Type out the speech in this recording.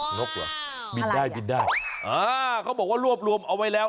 นกเหรอบินได้บินได้อ่าเขาบอกว่ารวบรวมเอาไว้แล้ว